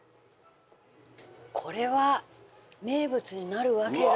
これは名物になるわけだ。